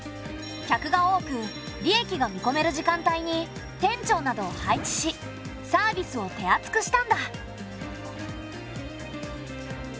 客が多く利益が見込める時間帯に店長などを配置しサービスを手厚くしたんだ。